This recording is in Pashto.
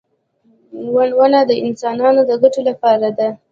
• ونه د انسانانو د ګټې لپاره ده.